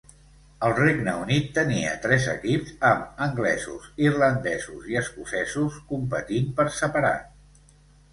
El Regne Unit tenia tres equips, amb anglesos, irlandesos i escocesos competint per separat.